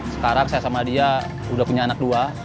sekarang saya sama dia udah punya anak dua